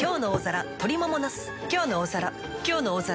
「きょうの大皿」